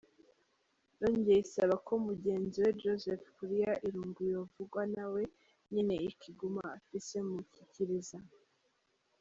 Yongeye isaba ko mugenziwe Josepf Kuria Irungu yovugwa nawe nyene ikiguma afise mu gikiriza.